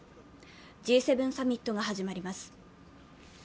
Ｇ７サミットが始まります。